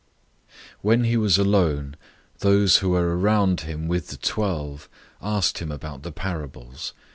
004:010 When he was alone, those who were around him with the twelve asked him about the parables.